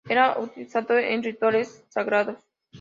Era utilizado en rituales sagrados.